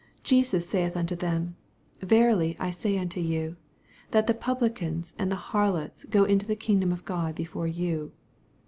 Jesus saith unto them, Venly I say unto you, That the Pub licans and the harlots go into the kingdom of God before you.